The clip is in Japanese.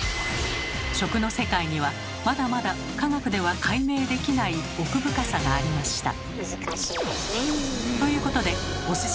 食の世界にはまだまだ科学では解明できない奥深さがありました。